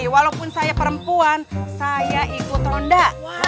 walaupun saya perempuan saya ikut honda